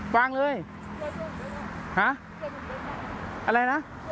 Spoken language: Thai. ต้องทำไม